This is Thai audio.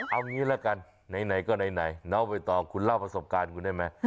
เอางี้ละกันไหนก็ไหนน้องใบตองคุณเล่าประสบการณ์คุณได้ไหม